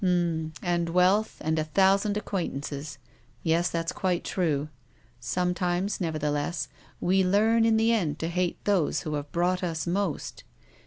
" H'm. And wealth and a thousand acquaint ances. Yes, that's quite true. Sometimes, never theless, we learn in the end to hate those who have brought us most.